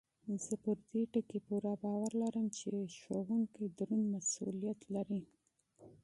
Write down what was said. زه پر دې ټکي پوره باور لرم چې استادان دروند مسؤلیت لري.